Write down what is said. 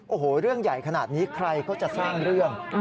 โอ้โหเรื่องใหญ่ขนาดนี้ใครก็จะสร้างเรื่อง